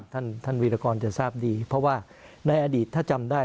ท่านท่านวีรกรจะทราบดีเพราะว่าในอดีตถ้าจำได้